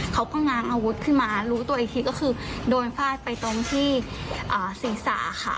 เขาก็ง้างอาวุธขึ้นมารู้ตัวอีกทีก็คือโดนฟาดไปตรงที่ศีรษะค่ะ